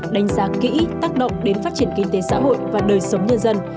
đánh giá kỹ tác động đến phát triển kinh tế xã hội và đời sống nhân dân